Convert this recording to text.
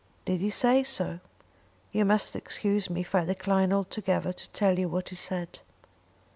"Did he say so?" "You must excuse me if I decline altogether to tell you what he said."